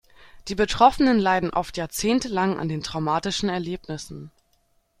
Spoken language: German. Die Betroffenen leiden oft jahrzehntelang an den traumatischen Erlebnissen.